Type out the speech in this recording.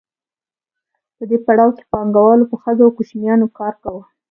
په دې پړاو کې پانګوالو په ښځو او کوچنیانو کار کاوه